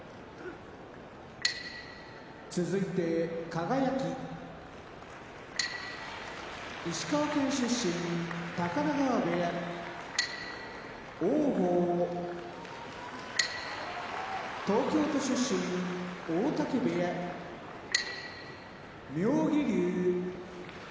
輝石川県出身高田川部屋王鵬東京都出身大嶽部屋妙義龍